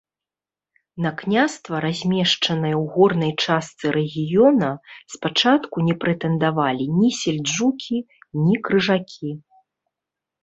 На княства, размешчанае ў горнай частцы рэгіёна, спачатку не прэтэндавалі ні сельджукі, ні крыжакі.